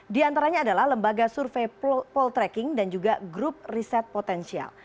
di antaranya adalah lembaga survei poltreking dan juga grup riset potensial